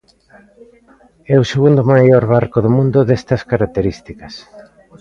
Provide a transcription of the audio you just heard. É o segundo maior barco do mundo destas características.